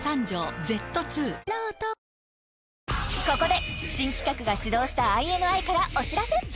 ここで新企画が始動したＩＮＩからお知らせ！